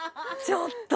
ちょっと！